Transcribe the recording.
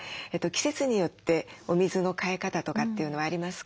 季節によってお水の換え方とかっていうのはありますか？